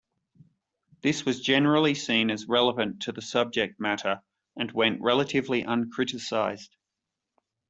This was generally seen as relevant to the subject matter and went relatively uncriticized.